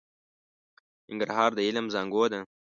ننګرهار د علم زانګو ده.